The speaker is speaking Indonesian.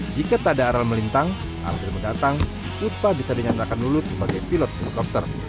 jika tak ada aral melintang april mendatang puspa bisa dinyatakan lulus sebagai pilot helikopter